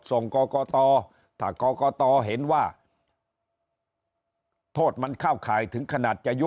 ส่งกรกตถ้ากรกตเห็นว่าโทษมันเข้าข่ายถึงขนาดจะยุบ